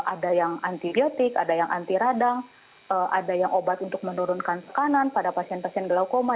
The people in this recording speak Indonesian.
ada yang antibiotik ada yang anti radang ada yang obat untuk menurunkan tekanan pada pasien pasien glaucoma